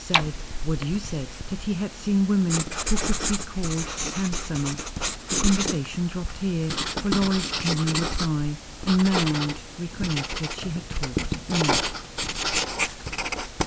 "Said what you said; that he had seen women who would be called handsomer." The conversation dropped here, for Lois made no reply, and Madge recollected she had talked enough.